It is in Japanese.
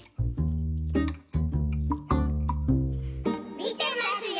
・みてますよ！